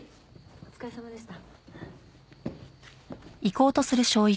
お疲れさまでした。